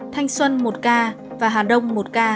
thanh xuân và hà đông